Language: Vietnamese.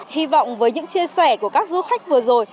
hy vọng với những chia sẻ của các du khách vừa rồi